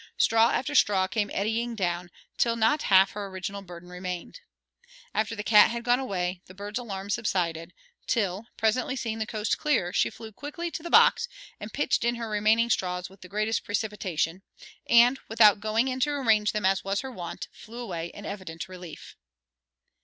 Straw after straw came eddying down, till not half her original burden remained. After the cat had gone away, the bird's alarm subsided, till, presently seeing the coast clear, she flew quickly to the box and pitched in her remaining straws with the greatest precipitation, and, without going in to arrange them, as was her wont, flew away in evident relief.